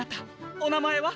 お名前は？